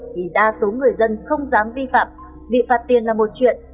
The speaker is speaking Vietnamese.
thì đa số người dân không dám vi phạm bị phạt tiền là một chuyện